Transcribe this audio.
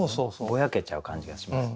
ぼやけちゃう感じがしますけど。